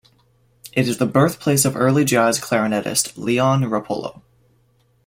It is the birthplace of early jazz clarinetist Leon Roppolo.